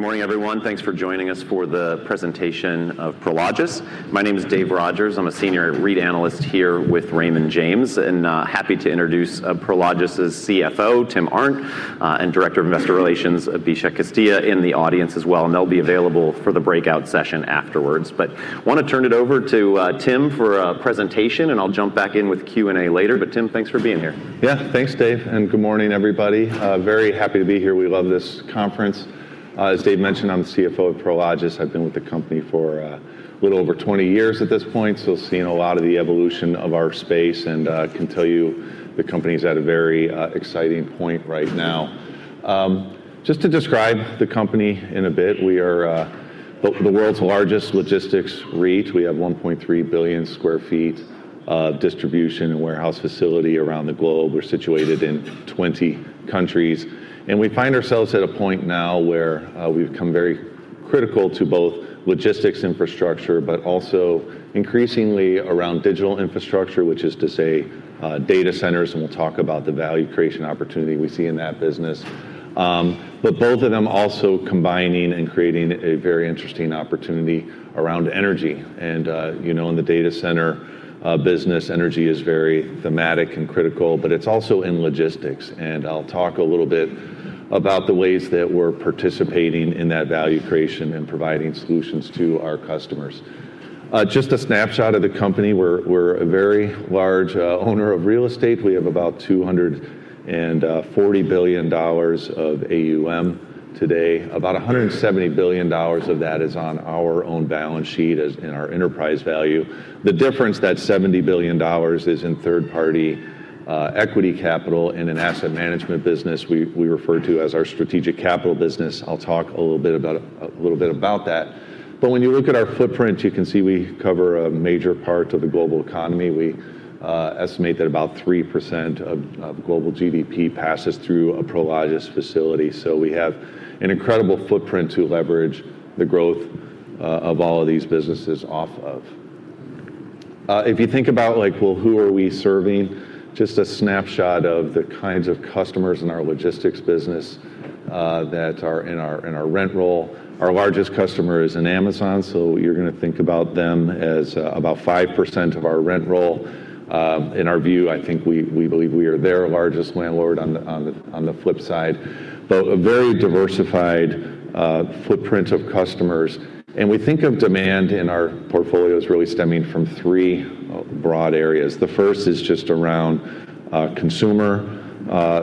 Good morning, everyone. Thanks for joining us for the presentation of Prologis. My name is Dave Rogers. I'm a Senior REIT Analyst here with Raymond James, and happy to introduce Prologis's CFO, Tim Arndt, and Director of Investor Relations, Abhishek Castilla, in the audience as well, and they'll be available for the breakout session afterwards. Wanna turn it over to Tim for a presentation, and I'll jump back in with Q&A later. Tim, thanks for being here. Yeah. Thanks, Dave, good morning, everybody. Very happy to be here. We love this conference. As Dave mentioned, I'm the CFO of Prologis. I've been with the company for a little over 20 years at this point, so seeing a lot of the evolution of our space and can tell you the company's at a very exciting point right now. Just to describe the company in a bit, we are the world's largest logistics REIT. We have 1.3 billion sq ft of distribution and warehouse facility around the globe. We're situated in 20 countries. We find ourselves at a point now where we've become very critical to both logistics infrastructure, but also increasingly around digital infrastructure, which is to say data centers, and we'll talk about the value creation opportunity we see in that business. Both of them also combining and creating a very interesting opportunity around energy. You know, in the data center business, energy is very thematic and critical, but it's also in logistics. I'll talk a little bit about the ways that we're participating in that value creation and providing solutions to our customers. Just a snapshot of the company. We're a very large owner of real estate. We have about $240 billion of AUM today. About $170 billion of that is on our own balance sheet as in our enterprise value. The difference, that $70 billion, is in third-party equity capital in an asset management business we refer to as our Strategic Capital business. I'll talk a little bit about that. When you look at our footprint, you can see we cover a major part of the global economy. We estimate that about 3% of global GDP passes through a Prologis facility. We have an incredible footprint to leverage the growth of all of these businesses off of. If you think about, like, well, who are we serving? Just a snapshot of the kinds of customers in our logistics business that are in our rent roll. Our largest customer is an Amazon, so you're gonna think about them as about 5% of our rent roll. In our view, I think we believe we are their largest landlord on the flip side. A very diversified footprint of customers. We think of demand in our portfolios really stemming from three broad areas. The first is just around consumer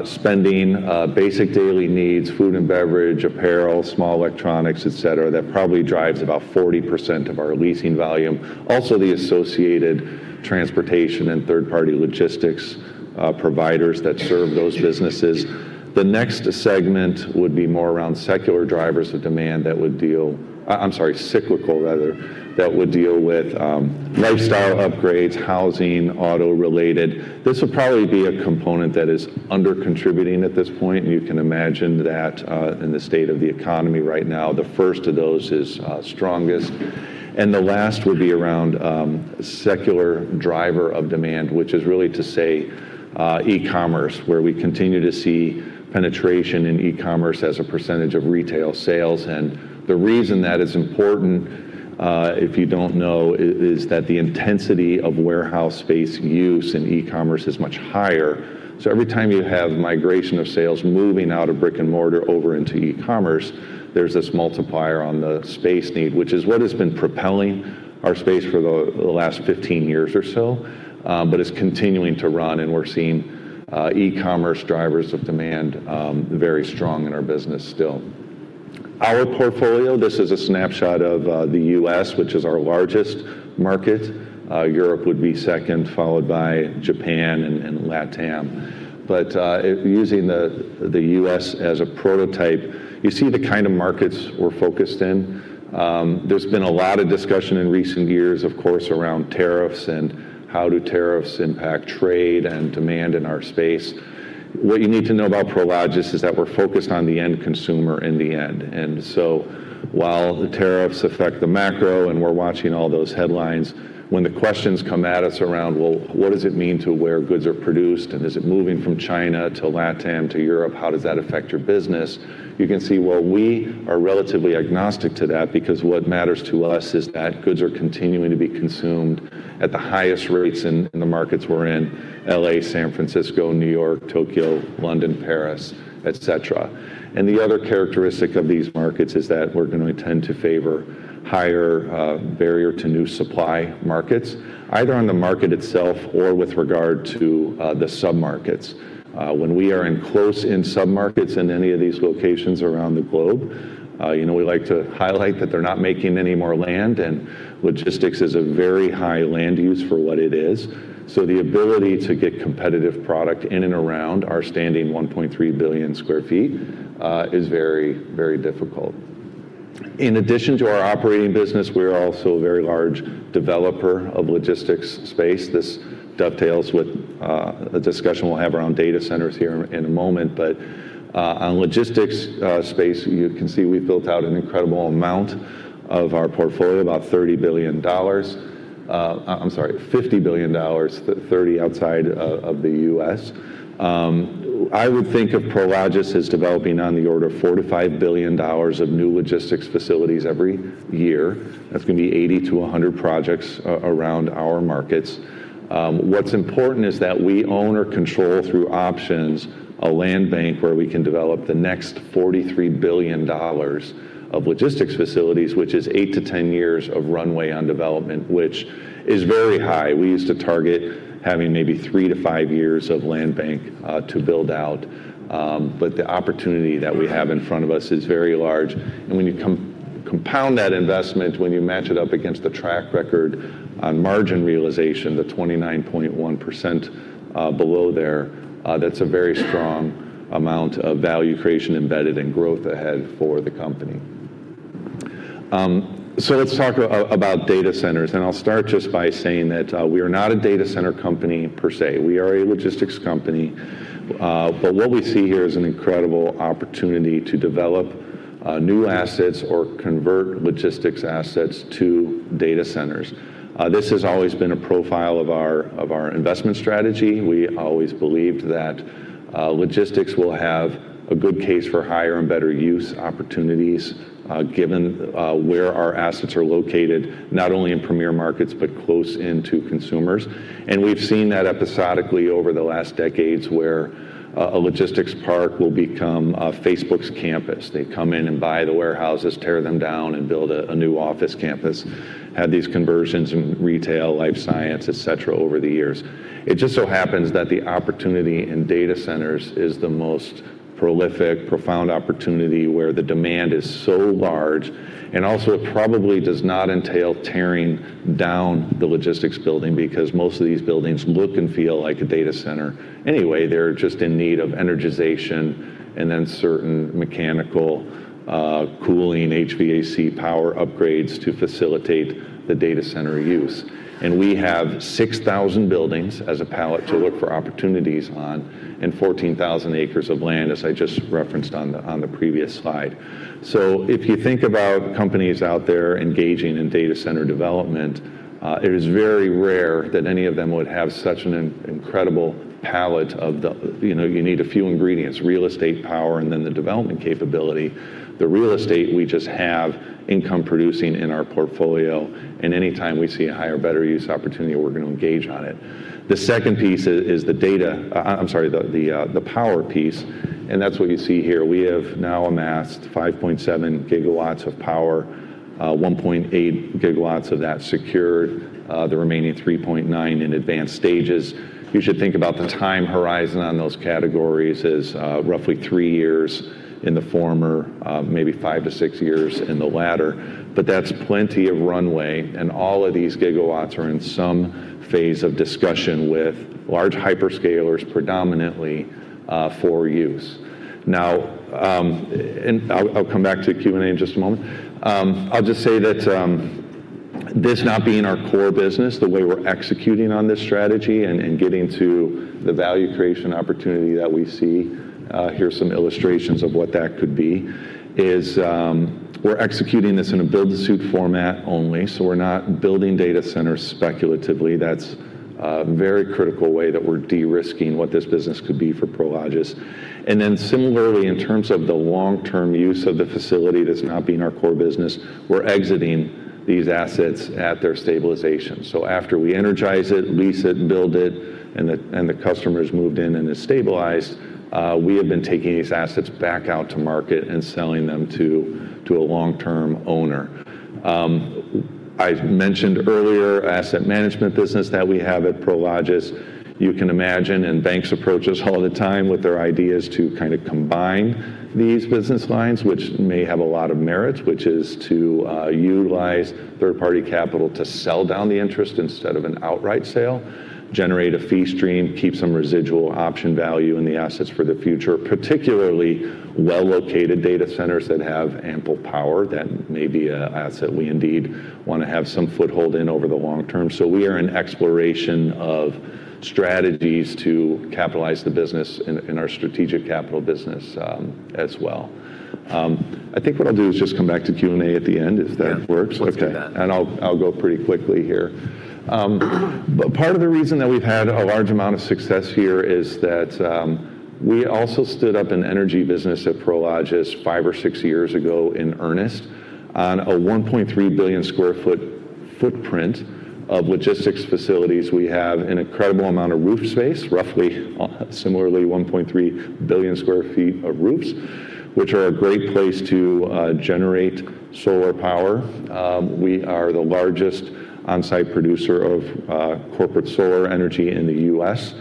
spending, basic daily needs, food and beverage, apparel, small electronics, et cetera, that probably drives about 40% of our leasing volume. The associated transportation and third-party logistics providers that serve those businesses. The next segment would be more around secular drivers of demand that would deal. I'm sorry, cyclical rather, that would deal with lifestyle upgrades, housing, auto-related. This would probably be a component that is under-contributing at this point. You can imagine that in the state of the economy right now, the first of those is strongest. The last would be around secular driver of demand, which is really to say e-commerce, where we continue to see penetration in e-commerce as a percentage of retail sales. The reason that is important, if you don't know, is that the intensity of warehouse space use in e-commerce is much higher. Every time you have migration of sales moving out of brick and mortar over into e-commerce, there's this multiplier on the space need, which is what has been propelling our space for the last 15 years or so. It's continuing to run, and we're seeing e-commerce drivers of demand, very strong in our business still. Our portfolio, this is a snapshot of the U.S., which is our largest market. Europe would be second, followed by Japan and LatAm. Using the U.S. as a prototype, you see the kind of markets we're focused in. There's been a lot of discussion in recent years, of course, around tariffs and how do tariffs impact trade and demand in our space. What you need to know about Prologis is that we're focused on the end consumer in the end. While the tariffs affect the macro, and we're watching all those headlines, when the questions come at us around, well, what does it mean to where goods are produced and is it moving from China to LatAm to Europe, how does that affect your business? You can see, well, we are relatively agnostic to that because what matters to us is that goods are continuing to be consumed at the highest rates in the markets we're in, L.A., San Francisco, New York, Tokyo, London, Paris, et cetera. The other characteristic of these markets is that we're gonna tend to favor higher barrier to new supply markets, either on the market itself or with regard to the submarkets. When we are in close in submarkets in any of these locations around the globe, you know, we like to highlight that they're not making any more land, and logistics is a very high land use for what it is. The ability to get competitive product in and around our standing 1.3 billion sq ft is very, very difficult. In addition to our operating business, we're also a very large developer of logistics space. This dovetails with a discussion we'll have around data centers here in a moment. On logistics space, you can see we've built out an incredible amount of our portfolio, about $30 billion. I'm sorry, $50 billion, the $30 billion outside of the U.S. I would think of Prologis as developing on the order of $4 billion-$5 billion of new logistics facilities every year. That's going to be 80 to 100 projects around our markets. What's important is that we own or control through options a land bank where we can develop the next $43 billion of logistics facilities, which is 8 to 10 years of runway on development, which is very high. We used to target having maybe 3 to 5 years of land bank to build out. The opportunity that we have in front of us is very large. When you compound that investment, when you match it up against the track record on margin realization, the 29.1% below there, that's a very strong amount of value creation embedded in growth ahead for the company. Let's talk about data centers, and I'll start just by saying that we are not a data center company per se. We are a logistics company. What we see here is an incredible opportunity to develop new assets or convert logistics assets to data centers. This has always been a profile of our investment strategy. We always believed that logistics will have a good case for higher and better use opportunities, given where our assets are located, not only in premier markets, but close into consumers. We've seen that episodically over the last decades where a logistics park will become a Facebook's campus. They come in and buy the warehouses, tear them down, and build a new office campus. Had these conversions in retail, life science, et cetera, over the years? It just so happens that the opportunity in data centers is the most prolific, profound opportunity where the demand is so large and also probably does not entail tearing down the logistics building because most of these buildings look and feel like a data center anyway. They're just in need of energization and then certain mechanical, cooling, HVAC power upgrades to facilitate the data center use. We have 6,000 buildings as a palette to look for opportunities on and 14,000 acres of land, as I just referenced on the previous slide. If you think about companies out there engaging in data center development, it is very rare that any of them would have such an incredible palette of the. You know, you need a few ingredients, real estate power, and then the development capability. The real estate we just have income producing in our portfolio, and anytime we see a higher better use opportunity, we're gonna engage on it. The second piece is the data. I'm sorry, the power piece, and that's what you see here. We have now amassed 5.7 gigawatts of power, 1.8 gigawatts of that secured, the remaining 3.9 in advanced stages. You should think about the time horizon on those categories as, roughly 3 years in the former, maybe 5 to 6 years in the latter. That's plenty of runway, and all of these gigawatts are in some phase of discussion with large hyperscalers predominantly for use. Now, I'll come back to Q&A in just a moment. I'll just say that this not being our core business, the way we're executing on this strategy and getting to the value creation opportunity that we see, here's some illustrations of what that could be, is we're executing this in a build-to-suit format only. We're not building data centers speculatively. That's a very critical way that we're de-risking what this business could be for Prologis. Similarly, in terms of the long-term use of the facility, this not being our core business, we're exiting these assets at their stabilization. After we energize it, lease it, build it, and the customer's moved in and is stabilized, we have been taking these assets back out to market and selling them to a long-term owner. I mentioned earlier asset management business that we have at Prologis. You can imagine, and banks approach us all the time with their ideas to kind of combine these business lines, which may have a lot of merits, which is to utilize third-party capital to sell down the interest instead of an outright sale, generate a fee stream, keep some residual option value in the assets for the future, particularly well-located data centers that have ample power. That may be a asset we indeed wanna have some foothold in over the long term. we are in exploration of strategies to capitalize the business in our Strategic Capital business, as well. I think what I'll do is just come back to Q&A at the end if that works. Yeah. Let's do that. Okay. I'll go pretty quickly here. Part of the reason that we've had a large amount of success here is that we also stood up an energy business at Prologis 5 or 6 years ago in earnest on a 1.3 billion sq ft footprint of Logistics facilities. We have an incredible amount of roof space, roughly, similarly, 1.3 billion sq ft of roofs, which are a great place to generate solar power. We are the largest on-site producer of corporate solar energy in the U.S.,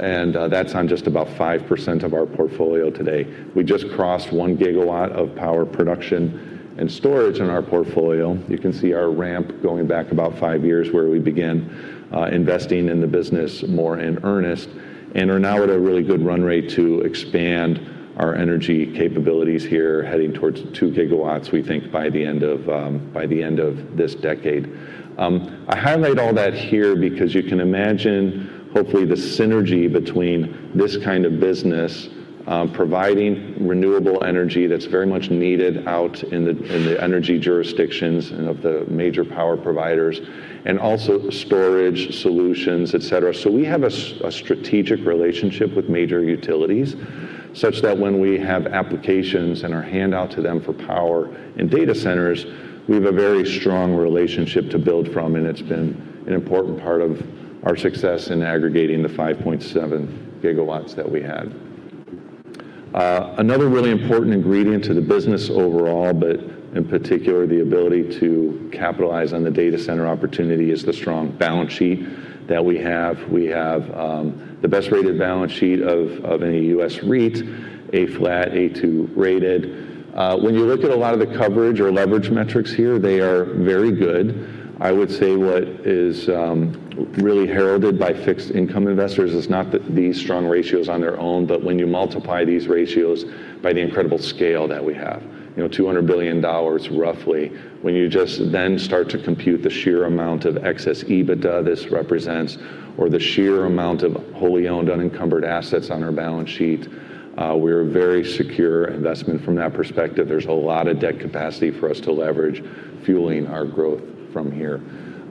and that's on just about 5% of our portfolio today. We just crossed 1 Gigawatt of power production and storage in our portfolio. You can see our ramp going back about 5 years where we began investing in the business more in earnest and are now at a really good run rate to expand our energy capabilities here, heading towards 2 gigawatts, we think by the end of this decade. I highlight all that here because you can imagine hopefully the synergy between this kind of business, providing renewable energy that's very much needed out in the, in the energy jurisdictions and of the major power providers, and also storage solutions, et cetera. We have a strategic relationship with major utilities such that when we have applications and are handout to them for power and data centers, we have a very strong relationship to build from, and it's been an important part of our success in aggregating the 5.7 gigawatts that we have. Another really important ingredient to the business overall, but in particular, the ability to capitalize on the data center opportunity is the strong balance sheet that we have. We have the best rated balance sheet of any U.S. REIT, A flat, A2 rated. When you look at a lot of the coverage or leverage metrics here, they are very good. I would say what is really heralded by fixed income investors is not these strong ratios on their own, but when you multiply these ratios by the incredible scale that we have. You know, $200 billion roughly. When you just then start to compute the sheer amount of excess EBITDA this represents or the sheer amount of wholly owned unencumbered assets on our balance sheet, we're a very secure investment from that perspective. There's a lot of debt capacity for us to leverage fueling our growth from here.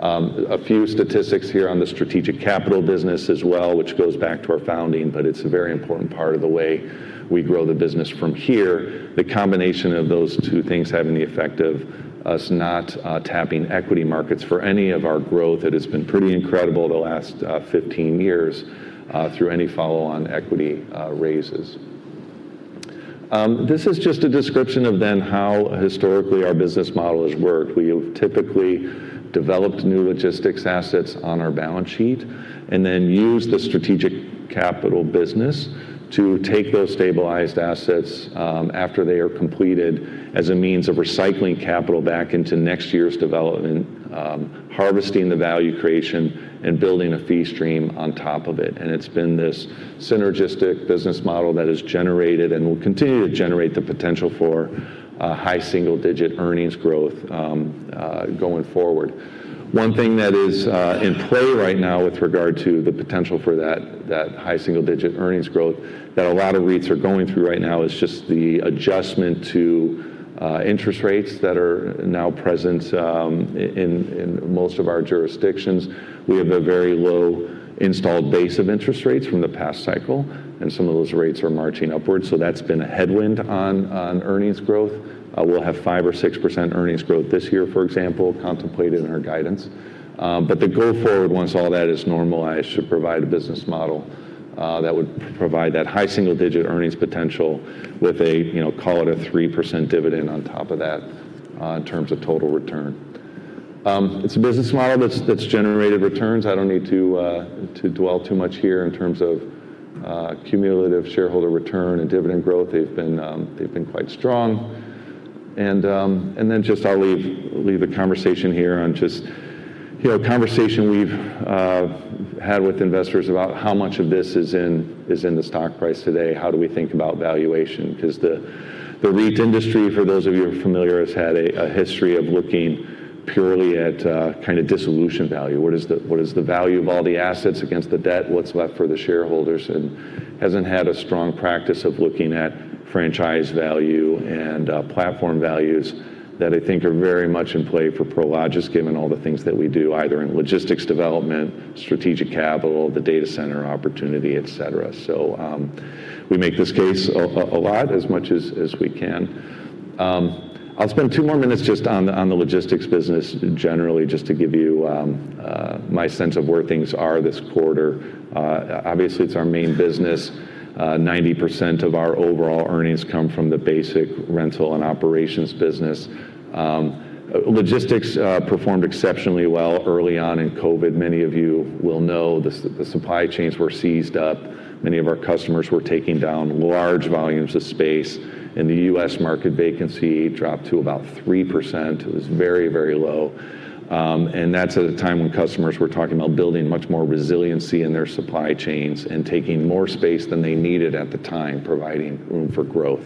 A few statistics here on the Strategic Capital Business as well, which goes back to our founding, but it's a very important part of the way we grow the business from here. The combination of those two things having the effect of us not tapping equity markets for any of our growth. It has been pretty incredible the last 15 years through any follow on equity raises. This is just a description of then how historically our business model has worked. We have typically developed new logistics assets on our balance sheet and then used the Strategic Capital Business to take those stabilized assets after they are completed as a means of recycling capital back into next year's development, harvesting the value creation and building a fee stream on top of it. It's been this synergistic business model that has generated and will continue to generate the potential for high single digit earnings growth going forward. One thing that is in play right now with regard to the potential for that high single digit earnings growth that a lot of REITs are going through right now is just the adjustment to interest rates that are now present in most of our jurisdictions. We have a very low installed base of interest rates from the past cycle, and some of those rates are marching upwards. That's been a headwind on earnings growth. We'll have 5% or 6% earnings growth this year, for example, contemplated in our guidance. The go forward, once all that is normalized, should provide a business model that would provide that high single digit earnings potential with a, you know, call it a 3% dividend on top of that in terms of total return. It's a business model that's generated returns. I don't need to dwell too much here in terms of cumulative shareholder return and dividend growth. They've been quite strong. Then just I'll leave the conversation here on just, you know, conversation we've had with investors about how much of this is in the stock price today. How do we think about valuation? Because the REIT industry, for those of you who are familiar, has had a history of looking purely at kind of dissolution value. What is the value of all the assets against the debt? What's left for the shareholders? hasn't had a strong practice of looking at franchise value and platform values that I think are very much in play for Prologis, given all the things that we do, either in logistics development, Strategic Capital, the data center opportunity, et cetera. We make this case a lot as much as we can. I'll spend two more minutes just on the logistics business generally, just to give you my sense of where things are this quarter. Obviously it's our main business. 90% of our overall earnings come from the basic rental and operations business. Logistics performed exceptionally well early on in COVID. Many of you will know the supply chains were seized up. Many of our customers were taking down large volumes of space, and the US market vacancy dropped to about 3%. It was very, very low. That's at a time when customers were talking about building much more resiliency in their supply chains and taking more space than they needed at the time, providing room for growth.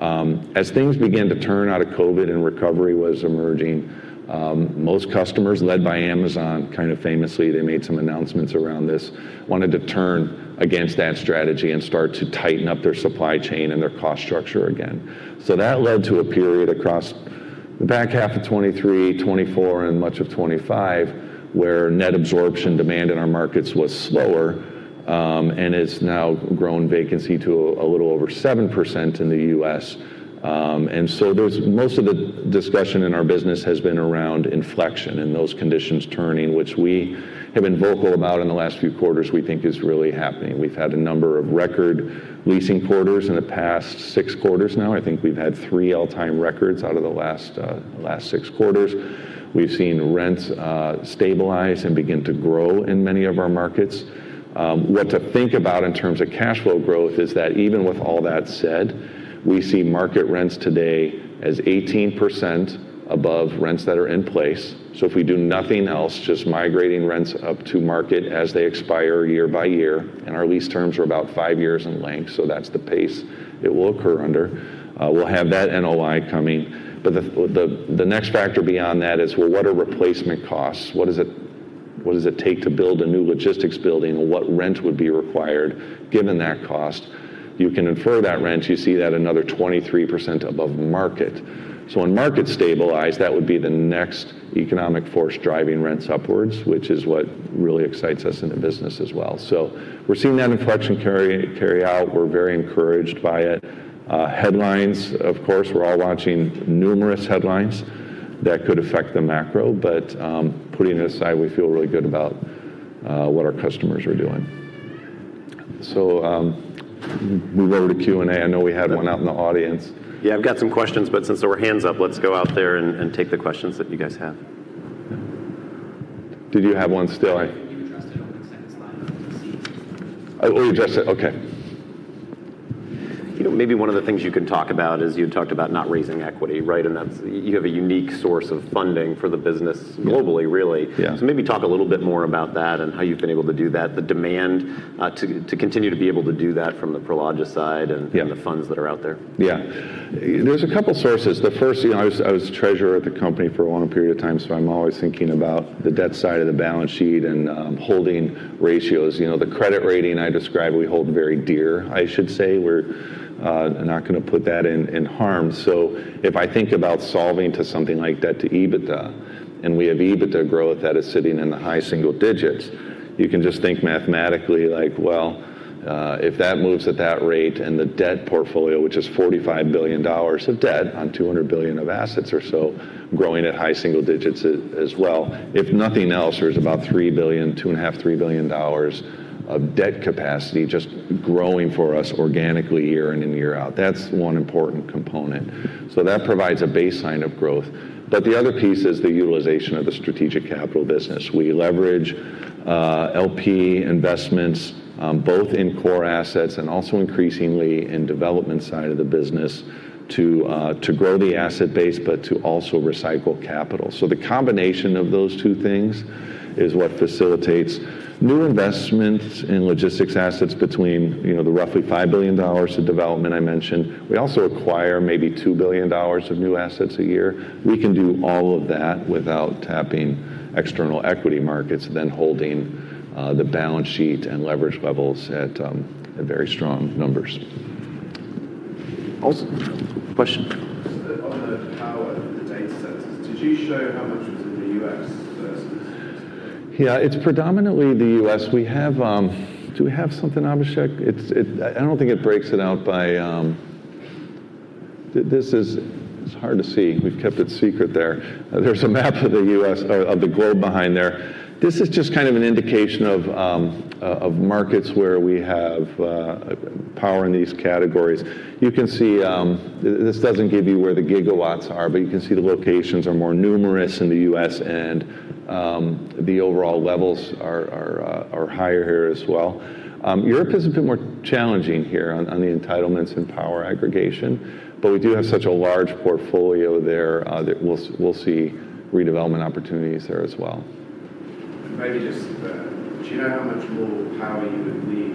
As things began to turn out of COVID and recovery was emerging, most customers led by Amazon, kind of famously, they made some announcements around this, wanted to turn against that strategy and start to tighten up their supply chain and their cost structure again. That led to a period across the back half of 2023, 2024, and much of 2025, where net absorption demand in our markets was slower, and it's now grown vacancy to a little over 7% in the U.S. Most of the discussion in our business has been around inflection and those conditions turning, which we have been vocal about in the last few quarters we think is really happening. We've had a number of record leasing quarters in the past 6 quarters now. I think we've had 3 all-time records out of the last 6 quarters. We've seen rents stabilize and begin to grow in many of our markets. What to think about in terms of cash flow growth is that even with all that said, we see market rents today as 18% above rents that are in place. If we do nothing else, just migrating rents up to market as they expire year by year, and our lease terms are about 5 years in length, so that's the pace it will occur under, we'll have that NOI coming. The next factor beyond that is, well, what are replacement costs? What does it take to build a new logistics building? What rent would be required given that cost? You can infer that rent. You see that another 23% above market. When markets stabilize, that would be the next economic force driving rents upwards, which is what really excites us in the business as well. We're seeing that inflection carry out. We're very encouraged by it. Headlines, of course, we're all watching numerous headlines that could affect the macro. Putting it aside, we feel really good about what our customers are doing. Move over to Q&A. I know we had one out in the audience. Yeah, I've got some questions. Since there were hands up, let's go out there and take the questions that you guys have. Did you have one still? You addressed it on the second slide. Oh, we addressed it. Okay. You know, maybe one of the things you can talk about is you talked about not raising equity, right? You have a unique source of funding for the business globally, really. Yeah. Maybe talk a little bit more about that and how you've been able to do that, the demand, to continue to be able to do that from the Prologis side. Yeah. The funds that are out there. Yeah. There's 2 sources. The first, you know, I was treasurer at the company for a long period of time, I'm always thinking about the debt side of the balance sheet and holding ratios. You know, the credit rating I described, we hold very dear, I should say. We're not gonna put that in harm. If I think about solving to something like Debt-to-EBITDA, and we have EBITDA growth that is sitting in the high single digits, you can just think mathematically like, well, if that moves at that rate and the debt portfolio, which is $45 billion of debt on $200 billion of assets or so growing at high single digits as well, if nothing else, there's about $3 billion, two and a half, $3 billion of debt capacity just growing for us organically year in and year out. That's one important component. That provides a baseline of growth. The other piece is the utilization of the Strategic Capital Business. We leverage LP investments, both in core assets and also increasingly in development side of the business to grow the asset base, but to also recycle capital. The combination of those two things is what facilitates new investments in logistics assets between, you know, the roughly $5 billion of development I mentioned. We also acquire maybe $2 billion of new assets a year. We can do all of that without tapping external equity markets, then holding, the balance sheet and leverage levels at very strong numbers. Question. On the power of the data centers, did you show how much was in the U.S. versus- It's predominantly the U.S. We have. Do we have something, Abhishek? I don't think it breaks it out by... This is hard to see. We've kept it secret there. There's a map of the U.S. of the globe behind there. This is just kind of an indication of markets where we have power in these categories. You can see this doesn't give you where the gigawatts are, but you can see the locations are more numerous in the U.S., and the overall levels are higher here as well. Europe is a bit more challenging here on the entitlements and power aggregation. We do have such a large portfolio there that we'll see redevelopment opportunities there as well. Maybe just, do you know how much more power you would need,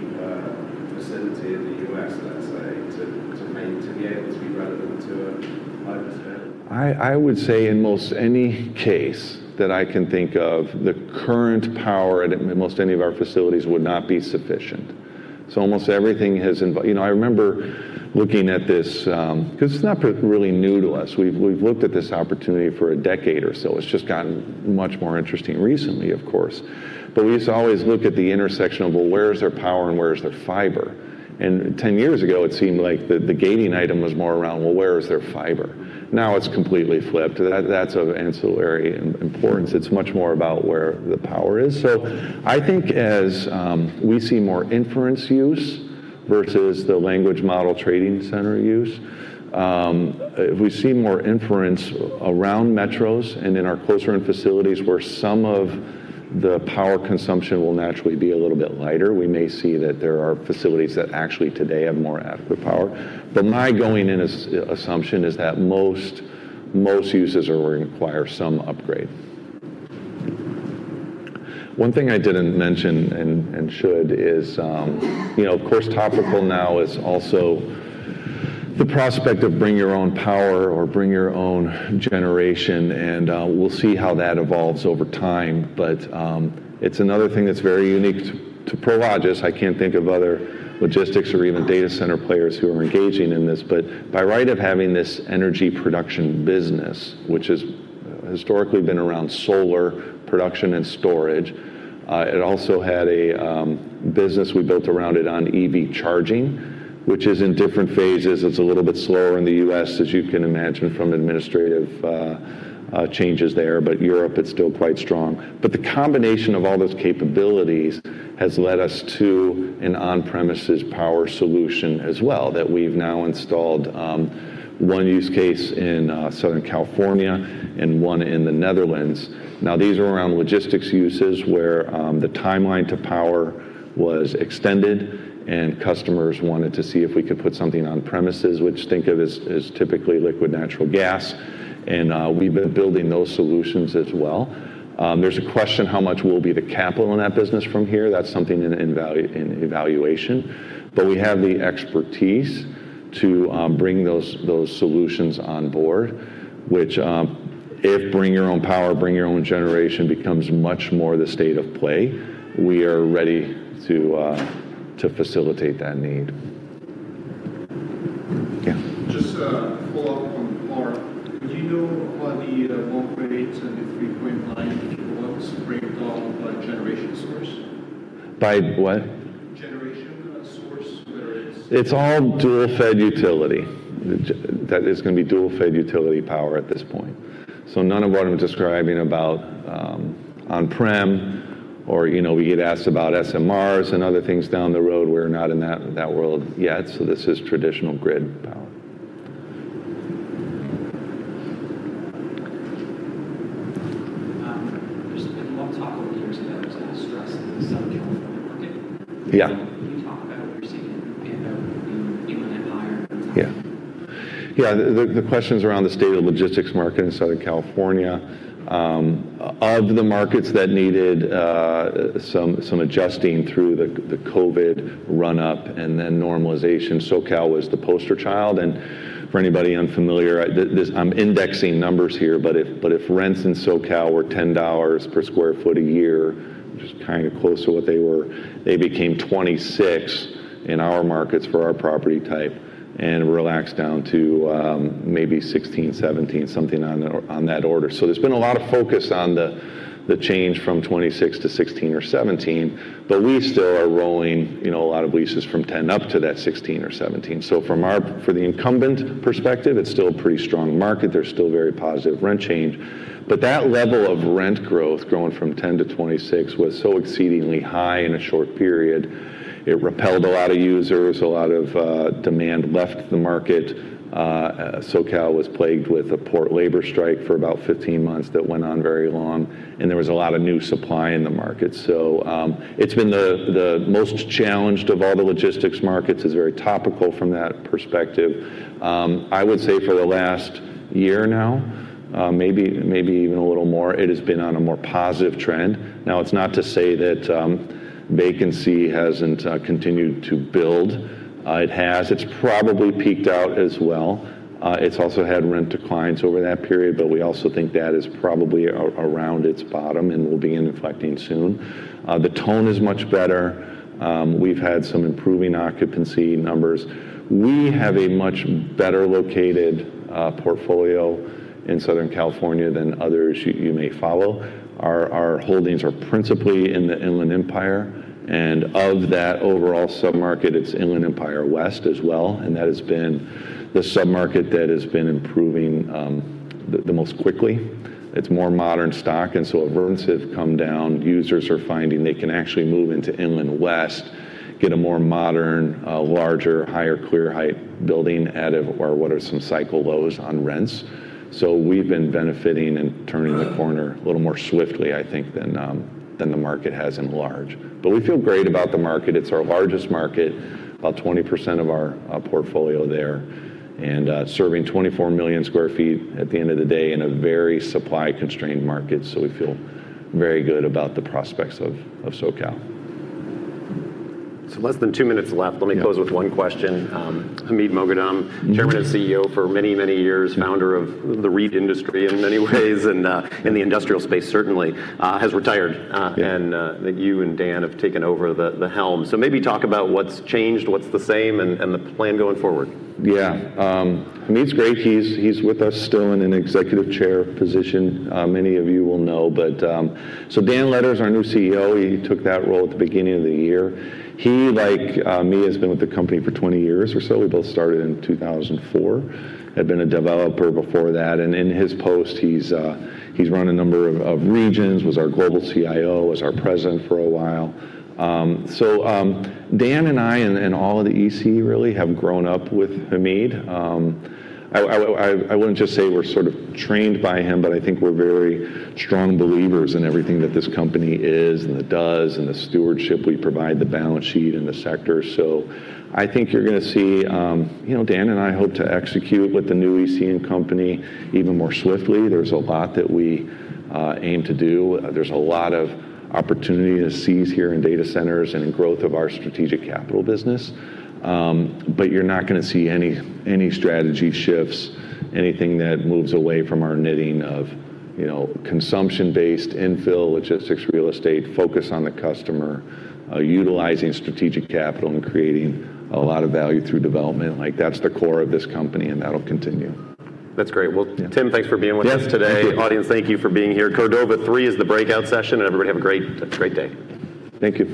facility in the U.S., let's say, to be able to be relevant to a hyperscaler? I would say in most any case that I can think of, the current power at most any of our facilities would not be sufficient. Almost everything has You know, I remember looking at this, 'cause it's not really new to us. We've looked at this opportunity for a decade or so. It's just gotten much more interesting recently, of course. We used to always look at the intersection of, well, where is their power and where is their fiber? 10 years ago, it seemed like the gating item was more around, well, where is their fiber? It's completely flipped. That's of ancillary importance. It's much more about where the power is. I think as we see more inference use versus the language model training center use, if we see more inference around metros and in our closer-in facilities where some of the power consumption will naturally be a little bit lighter, we may see that there are facilities that actually today have more adequate power. My going in as-assumption is that most users are requiring some upgrade. One thing I didn't mention and should is, you know, of course, topical now is also the prospect of bring your own power or bring your own generation, and we'll see how that evolves over time. It's another thing that's very unique to Prologis. I can't think of other logistics or even data center players who are engaging in this. By right of having this energy production business, which has historically been around solar production and storage, it also had a business we built around it on EV charging, which is in different phases. It's a little bit slower in the U.S., as you can imagine, from administrative changes there, but Europe, it's still quite strong. The combination of all those capabilities has led us to an on-premises power solution as well, that we've now installed one use case in Southern California and one in the Netherlands. These are around logistics uses where the timeline to power was extended and customers wanted to see if we could put something on premises, which think of as typically liquefied natural gas, and we've been building those solutions as well. There's a question how much will be the capital in that business from here. That's something in evaluation. We have the expertise to bring those solutions on board, which if bring your own power, bring your own generation becomes much more the state of play, we are ready to facilitate that need. Yeah. Just a follow-up on power. Do you know what the 1.8 and the 3.9 gigawatts break down by generation source? By what? It's all dual-fed utility. That is gonna be dual-fed utility power at this point. None of what I'm describing about, on-prem or, you know, we get asked about SMRs and other things down the road. We're not in that world yet, so this is traditional grid power. A while ago, years ago, there was a lot of stress in the Southern California market. Yeah. Can you talk about what you're seeing in Inland Empire? The question's around the state of the logistics market in Southern California. Of the markets that needed some adjusting through the COVID run up and then normalization, SoCal was the poster child. For anybody unfamiliar, I'm indexing numbers here, but if rents in SoCal were $10 per square foot a year, which is kinda close to what they were, they became $26 in our markets for our property type and relaxed down to maybe $16, $17, something on that order. There's been a lot of focus on the change from $26 to $16 or $17, but we still are rolling, you know, a lot of leases from $10 up to that $16 or $17. From the incumbent perspective, it's still a pretty strong market. There's still very positive rent change. That level of rent growth growing from 10 to 26 was so exceedingly high in a short period, it repelled a lot of users, a lot of demand left the market. SoCal was plagued with a port labor strike for about 15 months that went on very long, and there was a lot of new supply in the market. It's been the most challenged of all the logistics markets. It's very topical from that perspective. I would say for the last year now, maybe even a little more, it has been on a more positive trend. It's not to say that vacancy hasn't continued to build. It has. It's probably peaked out as well. It's also had rent declines over that period, but we also think that is probably around its bottom and will be inflecting soon. The tone is much better. We've had some improving occupancy numbers. We have a much better located portfolio in Southern California than others you may follow. Our holdings are principally in the Inland Empire, and of that overall sub-market, it's Inland Empire West as well, and that has been the sub-market that has been improving the most quickly. It's more modern stock, and so as rents have come down, users are finding they can actually move into Inland West, get a more modern, larger, higher clear height building at or what are some cycle lows on rents. We've been benefiting and turning the corner a little more swiftly, I think, than the market has in large. We feel great about the market. It's our largest market, about 20% of our portfolio there, and serving 24 million sq ft at the end of the day in a very supply-constrained market. We feel very good about the prospects of SoCal. Less than two minutes left. Yeah. Let me close with one question. Hamid Moghadam. Mm-hmm. Chairman and CEO for many years. Yeah. Founder of the REIT industry in many ways and, in the industrial space certainly, has retired. Yeah. That you and Dan have taken over the helm. Maybe talk about what's changed, what's the same, and the plan going forward. Yeah. Hamid's great. He's with us still in an executive chair position, many of you will know. Dan Letter is our new CEO. He took that role at the beginning of the year. He, like me, has been with the company for 20 years or so. We both started in 2004. Had been a developer before that, in his post, he's run a number of regions, was our global CIO, was our president for a while. Dan and I and all of the EC really have grown up with Hamid. I wouldn't just say we're sort of trained by him, I think we're very strong believers in everything that this company is and it does and the stewardship we provide, the balance sheet and the sector. I think you're gonna see, you know, Dan and I hope to execute with the new EC and company even more swiftly. There's a lot that we aim to do. There's a lot of opportunity to seize here in data centers and in growth of our Strategic Capital Business. You're not gonna see any strategy shifts, anything that moves away from our knitting of, you know, consumption-based infill logistics real estate, focus on the customer, utilizing Strategic Capital and creating a lot of value through development. Like, that's the core of this company, and that'll continue. That's great. Yeah. Tim, thanks for being with us today. Yes. Absolutely. Audience, thank you for being here. Cordova Three is the breakout session. Everybody have a great day. Thank you.